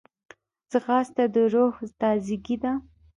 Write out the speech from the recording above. ځغاسته د روح تازګي ده